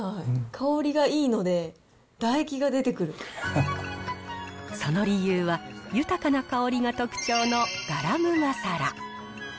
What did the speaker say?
香りがいいので、その理由は、豊かな香りが特徴のガラムマサラ。